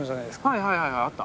はいはいはいあった。